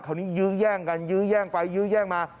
ยื้อแย่งกันยื้อแย่งไปยื้อแย่งมา